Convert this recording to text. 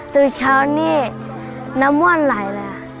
ตื่นเช้านี่น้ำม่วนไหลเลยค่ะ